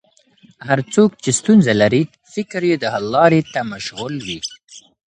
هر څوک چې ستونزه لري، فکر یې د حل لارې ته مشغول وي.